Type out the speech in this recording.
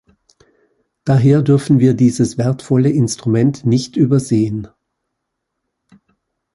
Daher dürfen wir dieses wertvolle Instrument nicht übersehen.